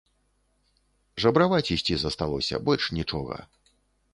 Жабраваць ісці засталося, больш нічога.